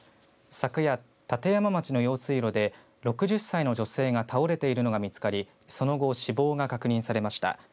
昨夜、立山町の用水路で６０歳の女性が倒れているのが見つかり、その後死亡が確認されました。